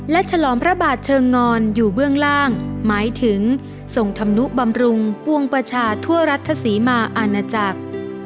และฉลองพระบาทเชิงงอนอยู่เบื้องล่างหมายถึงทรงธรรมนุบำรุงปวงประชาทั่วรัฐศรีมาอาณาจักร